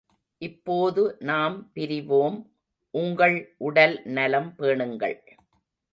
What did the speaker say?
இப்போது நாம் பிரிவோம், உங்கள் உடல் நலம் பேணுங்கள்.